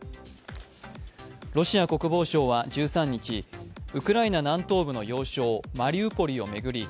ロシア国防省は１３日、ウクライナ南東部の要衝・マウリポリを巡り